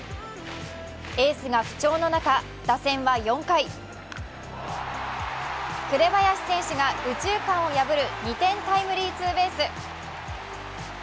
エースが不調の中、打線は４回、紅林選手が右中間を破る２点タイムリーツーベース。